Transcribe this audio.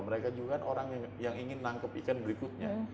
mereka juga kan orang yang ingin nangkep ikan berikutnya